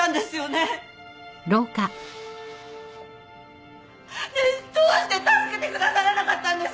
ねえどうして助けてくださらなかったんですか！？